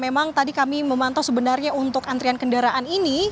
memang tadi kami memantau sebenarnya untuk antrian kendaraan ini